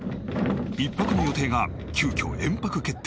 １泊の予定が急きょ延泊決定。